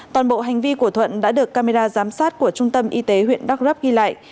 toàn bộ hành vi của thuận đã được camera giám sát của trung tâm y tế huyện đắk lấp ghi lại